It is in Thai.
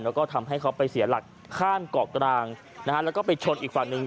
แล้วก็ทำให้เขาไปเสียหลักข้ามเกาะกลางนะฮะแล้วก็ไปชนอีกฝั่งหนึ่ง